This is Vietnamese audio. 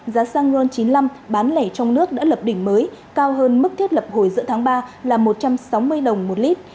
giá xăng ron chín mươi năm bán lẻ trong nước đã lập đỉnh mới cao hơn mức thiết lập hồi giữa tháng ba là một trăm sáu mươi đồng một lít